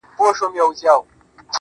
زه چي لـه چــــا سـره خبـري كـوم~